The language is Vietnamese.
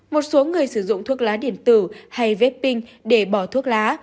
một số người sử dụng thuốc lá điện tử hay vết ping để bỏ thuốc lá